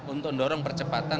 untuk mendorong percepatan